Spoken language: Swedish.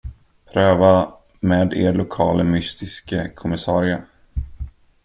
Pröva med er lokale mystiske kommissarie.